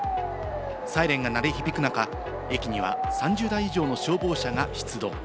サイレンが鳴り響く中、駅には３０台以上の消防車が出動。